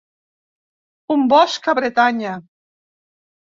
Un bosc a Bretanya.